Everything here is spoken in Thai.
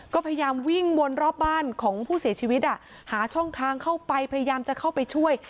ก็พยายามวิ่งวนรอบบ้านของผู้เสียชีวิตหาช่องทางเข้าไปพยายามจะเข้าไปช่วย